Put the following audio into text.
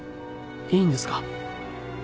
いいんですか？